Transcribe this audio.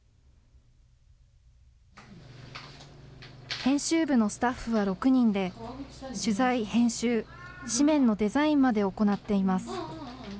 編集部のスタッフは６人で、取材・編集、誌面のデザインまで行っています。